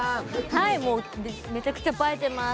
はいもうめちゃくちゃ映えてます。